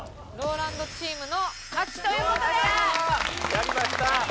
やりました！